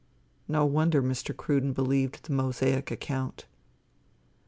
No wonder Mr. Cruden believed the Mosaic account.